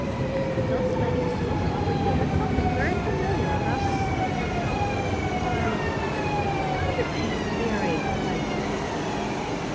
But though the lady was so lovely there was something very familiar about her face. "Why, Counterpane Fairy!" cried Teddy.